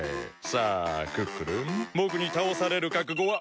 さあクックルンぼくにたおされるかくごは。